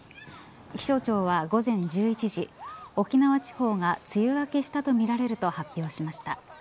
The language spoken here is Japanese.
気象庁は午前１１時沖縄地方が梅雨明けしたとみられると発表しました。